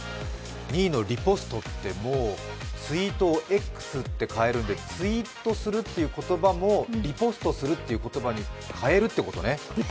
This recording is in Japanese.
２位のリポストって、もうツイートをＸって変えるんでツイートするっていう言葉も、リポストするって言葉に変えるってことね。